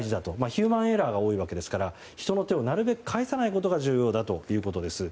ヒューマンエラーが多いわけですから人の手をなるべく介さないことが重要だということです。